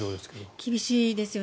厳しいですよね。